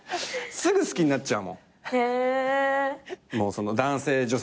すぐ好きになっちゃう。